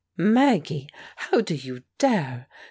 "Maggie, how do you dare?